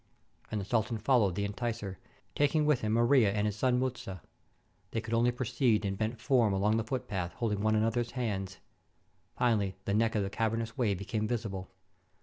And the sultan fol lowed the enticer, taking with him Maria and his son Mfiza. They could only proceed in bent form along the footpath, holding one another's hands. Finally the neck of the cavernous way became visible.